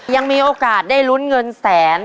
ยังมีโอกาสได้ลุ้นเงินแสน